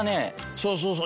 そうそうそう。